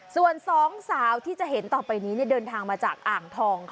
ส่วนสองสาวที่จะเห็นต่อไปนี้เดินทางมาจากอ่างทอง